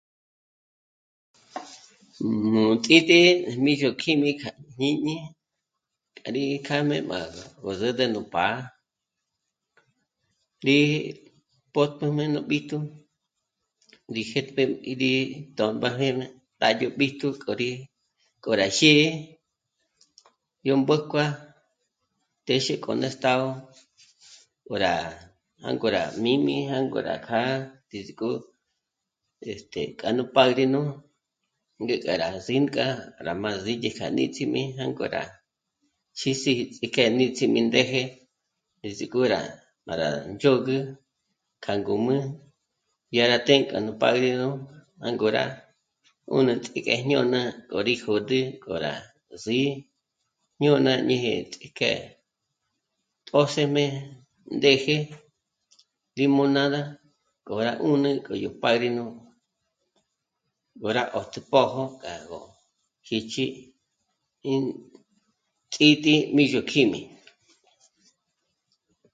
Nú Ts'ítǐ'i Mízhokjíjmi kja nú jñíñi kja rí kjá'me má gó zǚtü nú pá'a, rí... pójtüjme nú b'íjtu, rí jêtp'e nú rí tö̌mba jé né'e kja yó b'íjtu k'oyáji k'o rá xîri yó mbójkuà'a téxe k'o ná estágo, k'o rá... jângo rá míjm'i, jângo rá kjâ'a ndízik'o este... kja nú pádrino ngéka rá sí'k'a rá má ndzídye k'a níts'imi jângo rá... k'o rá... xîs'i ts'íjk'e níts'imi ndéje ndízik'o rá... para ndzhôgü kja ngǔm'ü dyá rá të́'ë kja nú pádrino jângo rá 'ùnü ts'íjk'e jñôna k'o rí jö̌d'ü, k'o rí rá sí'i jñôna ñéje ní ts'íjk'e tjö́sëjme, ndéje, limonada k'o rá 'ùnü k'o yó pádrino ngó rá 'ö́jtü pójo kja gó jích'i ín Ts'ítǐ'i Mízhokjíjmi